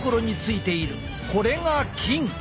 これが菌。